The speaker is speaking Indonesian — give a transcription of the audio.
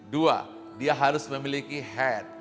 dua dia harus memiliki head